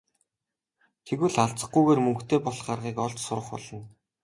Тэгвэл алзахгүйгээр мөнгөтэй болох аргыг олж сурах болно.